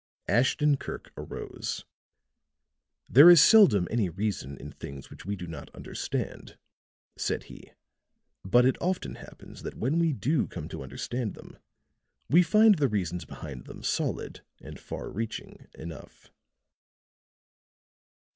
Ashton Kirk arose. "There is seldom any reason in things which we do not understand," said he. "But it often happens that when we do come to understand them then we find the reasons behind them solid and far reaching enough.